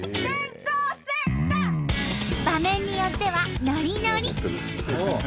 場面によってはノリノリ！